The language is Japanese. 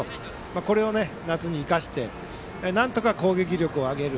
これを夏に生かしてなんとか攻撃力を上げる。